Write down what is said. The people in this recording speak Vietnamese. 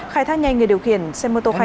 khai thác nhanh người điều khiển xe mô tô khai